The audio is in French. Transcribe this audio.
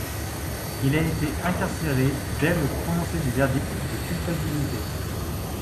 Il a été incarcéré dès le prononcé du verdict de culpabilité.